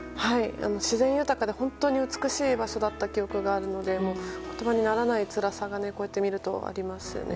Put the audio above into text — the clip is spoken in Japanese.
自然豊かで本当に美しい場所だったという記憶があるので言葉にならないつらさがあります。